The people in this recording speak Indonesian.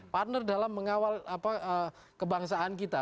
partner dalam mengawal kebangsaan kita